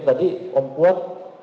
tadi om kuat